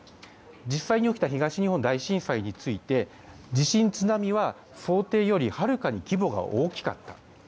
実際に起きた東日本大震災について地震、津波は想定よりはるかに規模が大きかった。